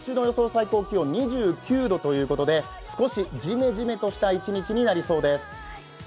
最高気温２９度ということで少しジメジメとした一日となりそうです。